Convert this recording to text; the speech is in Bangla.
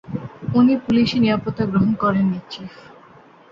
উনি পুলিশি নিরাপত্তা গ্রহণ করেননি, চীফ।